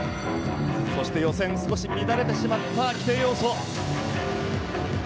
そして、予選少し乱れてしまった規定要素。